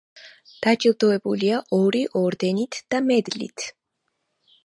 დაჯილდოებულია ორი ორდენითა და მედლით.